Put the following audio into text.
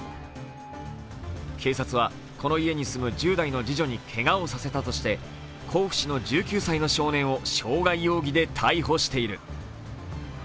警察は、この家に住む１０代の次女にけがをさせたとして甲府市の１９歳の少年を傷害容疑で逮捕している。